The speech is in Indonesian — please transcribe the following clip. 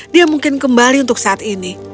dia mungkin kembali untuk saat ini